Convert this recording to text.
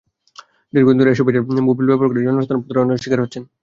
দীর্ঘদিন ধরে এসব ভেজাল মবিল ব্যবহার করে জনসাধারণ প্রতারণার শিকার হচ্ছেন।